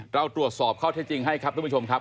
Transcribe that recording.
เราตรวจสอบข้อเท็จจริงให้ครับทุกผู้ชมครับ